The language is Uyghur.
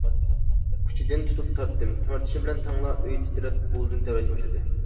ئۇچىدىن تۇتۇپ تارتتىم، تارتىشىم بىلەن تەڭلا ئۆي تىترەپ، ئۇلىدىن تەۋرەشكە باشلىدى.